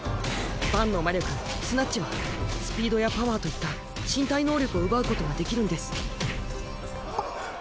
バンの魔力「強奪」はスピードやパワーといった身体能力を奪うことができるんです。